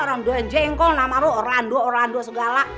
orang jengkol nama lu orang andua orang andua segala